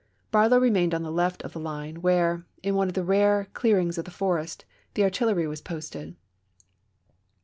Barlow remained on the left of the line, where, in one of the rare clear ings of the forest, the artillery was posted.